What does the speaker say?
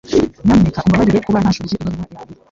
Nyamuneka umbabarire kuba ntashubije ibaruwa yawe